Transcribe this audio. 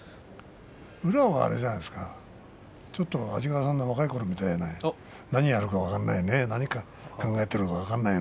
宇良はあれじゃないですか安治川さんの若いころみたいな何をやるか分からない。